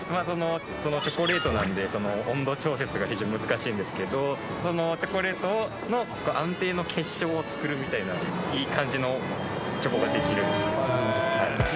チョコレートなんで温度調節が非常に難しいんですけどそのチョコレートの安定の結晶を作るみたいないい感じのチョコができるんです